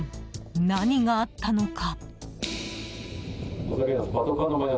何があったのか？